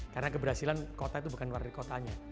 karena keberhasilan kota itu bukan warga kotanya